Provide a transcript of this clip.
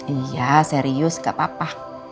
iya serius gak apa apa